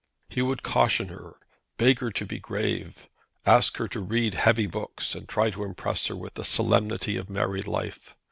He would caution her, beg her to be grave, ask her to read heavy books, and try to impress her with the solemnity of married life.